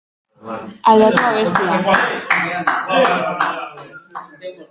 Aldatu abestia.